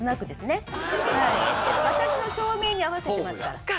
私の照明に合わせてますから。